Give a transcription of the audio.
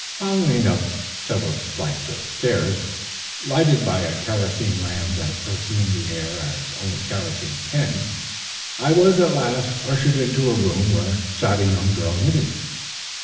Following him up several steep flights of stairs, lighted by a kerosene lamp that perfumed the air as only kerosene can, I was at last ushered into a room where sat a young girl knitting.